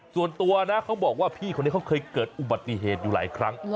ส่วนตัวนะเขาบอกว่าพี่คนนี้เขาเคยเกิดอุบัติเหตุอยู่หลายครั้ง